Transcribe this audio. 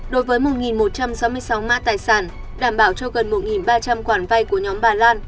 đối với một một trăm sáu mươi sáu mã tài sản đảm bảo cho gần một ba trăm linh khoản vay của nhóm bà lan